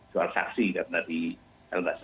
soal saksi karena di lps